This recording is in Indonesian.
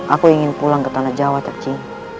aku ingin pulang ke tanah jawa tercium